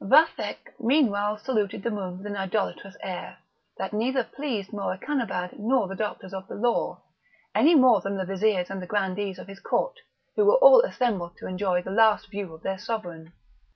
Vathek meanwhile saluted the moon with an idolatrous air, that neither pleased Morakanabad nor the Doctors of the Law, any more than the vizirs and the grandees of his court, who were all assembled to enjoy the last view of their sovereign.